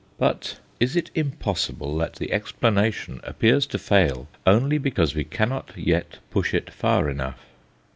But is it impossible that the explanation appears to fail only because we cannot yet push it far enough?